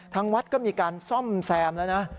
ทางวัดก็มีการซ่อมแซมแล้วนะ